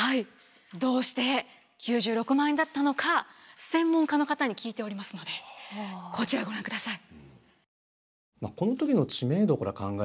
どうして９６万円だったのか専門家の方に聞いておりますのでこちらをご覧ください。